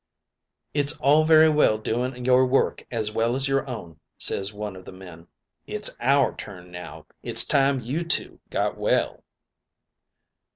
"'It's all very well doing your work as well as our own,' ses one of the men. 'It's our turn now. It's time you two got well.'